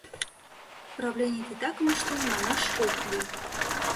Правлений титакым ыштен манаш ок лий.